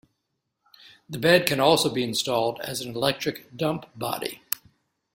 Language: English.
The bed can also be installed as an electric dump body.